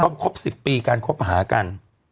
ก็ครบสิบปีกันครบป๋าหากัน